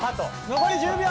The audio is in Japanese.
残り１０秒！